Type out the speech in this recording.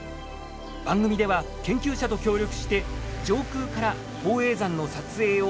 番組では研究者と協力して上空から宝永山の撮影を試みました。